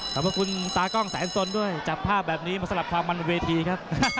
ขอบคุณตากล้องแสนสนด้วยจับภาพแบบนี้มาสลับความมันบนเวทีครับ